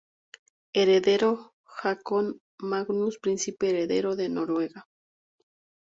Heredero: Haakon Magnus, príncipe heredero de Noruega.